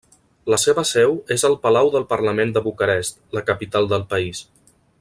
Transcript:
La seva seu és el Palau del Parlament de Bucarest, la capital del país.